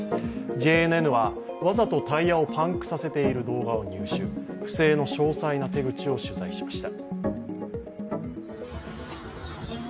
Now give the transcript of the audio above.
ＪＮＮは、わざとタイヤをパンクさせている動画を入手、不正の詳細な手口を取材しました。